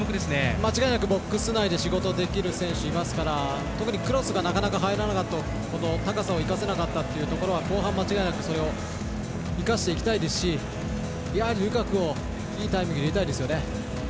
間違いなくボックス内で仕事できる選手いますから特にクロスがなかなか入らなかった高さを生かせなかったところ後半、間違いなくそれを生かしていきたいですしやはりルカクをいいタイミングで入れたいですよね。